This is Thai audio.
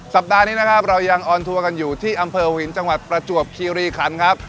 สัปดาห์นี้นะครับเรายังออนทัวร์กันอยู่ที่อำเภอหินจังหวัดประจวบคีรีขันครับ